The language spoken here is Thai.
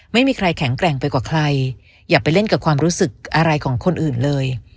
ไม่มีใครแข็งแกร่งไปกว่าใครอย่าไปเล่นกับความรู้สึกอะไรของคนอื่นเลย